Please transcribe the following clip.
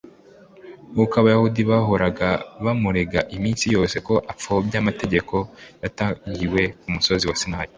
Nkuko Abayuda bahoraga bamurega iminsi yose ko apfobya amategeko yatangiwe ku musozi Sinayi,